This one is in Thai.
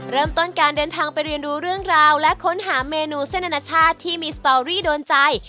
เริ่มต้นการเดินทางไปเรียนรู้เรื่องราวและค้นหาเมนูเส้นอนาชาติที่มีสตอรี่โดนใจ